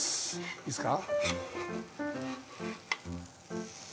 いいっすか？